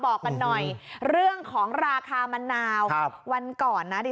บอกกันหน่อยเรื่องของราคามะนาววันก่อนนะ